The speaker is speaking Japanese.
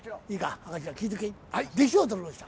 弟子を取りました。